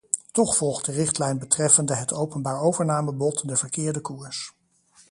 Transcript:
Toch volgt de richtlijn betreffende het openbaar overnamebod de verkeerde koers.